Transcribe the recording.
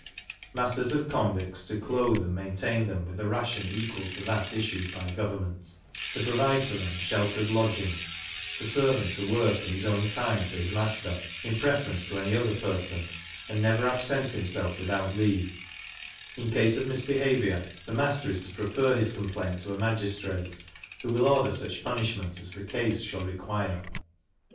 Masters of convicts to clothe and maintain them with a ration equal to that issued by government; to provide for them a sheltered lodging; the servant to work, in his own time, for his master, in preference to any other person, and never absent himself without leave; in case of misbehaviour, the master is to prefer his complaint to a magistrate, who will order such punishment as the case shall require.